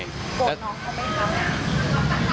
โกรธน้องเขาไม่เข้านะ